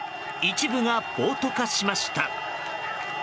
一部が暴徒化しました。